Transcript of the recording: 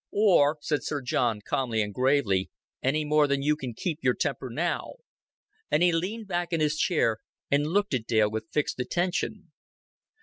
"Or," said Sir John, calmly and gravely, "any more than you can keep your temper now;" and he leaned back in his chair and looked at Dale with fixed attention.